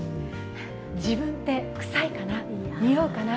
自分って、くさいかな、におうかな。